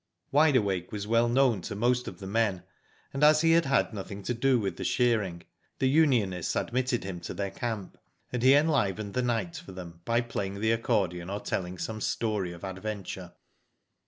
Wide Awake was well known to most of the men, and as he had nothing to do with the shear ing the unionists admitted him to their camp, and he enlivened the night for them by playing, the accordion or telling some story of adventure.